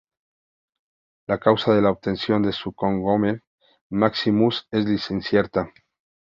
La causa de la obtención de su cognomen "Maximus" es incierta.